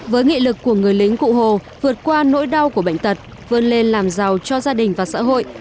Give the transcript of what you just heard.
với nghị lực của người lính cụ hồ vượt qua nỗi đau của bệnh tật vươn lên làm giàu cho gia đình và xã hội